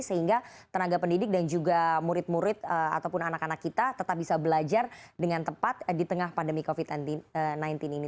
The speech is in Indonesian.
sehingga tenaga pendidik dan juga murid murid ataupun anak anak kita tetap bisa belajar dengan tepat di tengah pandemi covid sembilan belas ini